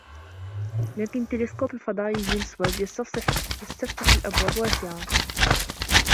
لكن التلسكوب الفضائي جيمس واب يسفتح الأبواب واسعة